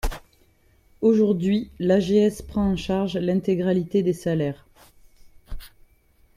Aujourd’hui, l’AGS prend en charge l’intégralité des salaires.